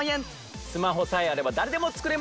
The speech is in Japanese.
スマホさえあれば誰でも作れます！